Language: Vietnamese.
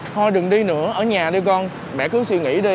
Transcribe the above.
thôi đừng đi nữa ở nhà đi con mẹ cứ suy nghĩ thôi